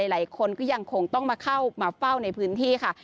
หลายคนก็ยังคงต้องมาเข้ามาเฝ้าในพื้นที่ค่ะ